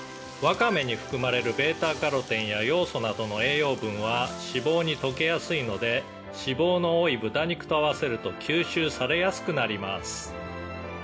「ワカメに含まれるβカロテンやヨウ素などの栄養分は脂肪に溶けやすいので脂肪の多い豚肉と合わせると吸収されやすくなります」